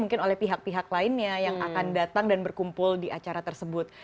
mungkin oleh pihak pihak lainnya yang akan datang dan berkumpul di acara tersebut